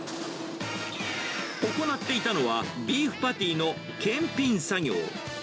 行っていたのは、ビーフパティの検品作業。